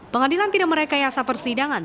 pengadilan tidak merekayasa persidangan